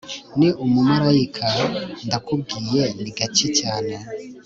ni umumarayika ndakubwiye, ni gake cyane